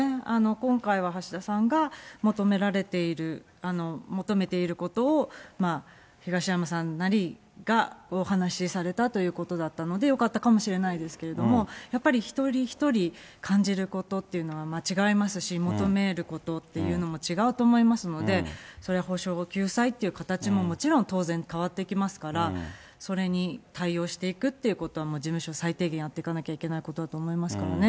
今回は橋田さんが求められている、求めていることを、東山さんなりがお話されたということだったのでよかったかもしれないですけれども、やっぱり一人一人感じることっていうのは違いますし、求めることっていうのも違うと思いますので、それは補償や救済という形ももちろん当然変わってきますから、それに対応していくっていうことは事務所は最低限やっていかなきゃいけないことだと思いますからね。